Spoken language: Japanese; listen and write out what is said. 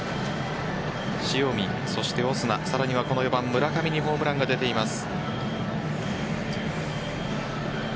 塩見、そしてオスナさらにはこの４番・村上にホームランが出ています。